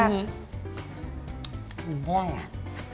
อืมไม่ได้อ่ะ